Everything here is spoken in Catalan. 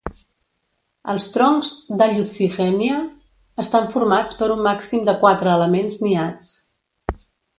Els troncs d'"Hallucigenia" estan formats per un màxim de quatre elements niats.